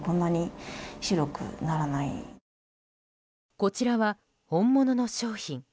こちらは本物の商品。